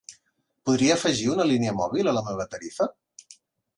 Podria afegir una línia mòbil a la meva tarifa?